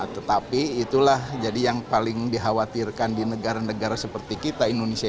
tetapi itulah jadi yang paling dikhawatirkan di negara negara seperti kita indonesia